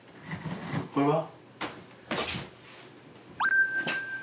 これは？